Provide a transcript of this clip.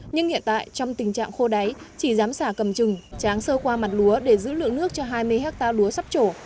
nhưng hiện tại trong tình trạng khô đáy chỉ dám xả cầm trừng tráng sơ qua mặt lúa để giữ lượng nước cho hai mươi hectare lúa sắp trổ